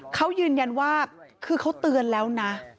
เขายืนยันว่าคือเขาเตือนแล้วนะ